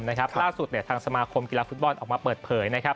ล่าสุดสมาคมกีฬาฟุตบอลออกมาเปิดเผย